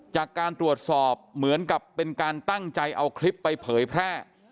จากการตรวจสอบเหมือนกับเป็นการตั้งใจเอาคลิปไปเผยแพร่